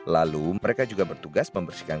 lalu mereka juga bertugas membersihkan